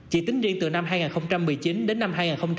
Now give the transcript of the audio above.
chỉ tính riêng từ năm hai nghìn một mươi chín đến năm hai nghìn hai mươi